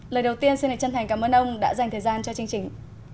lời đầu tiên xin chân thành cảm ơn ông đã dành thời gian cho chương trình